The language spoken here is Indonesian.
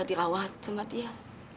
dirawat sama dia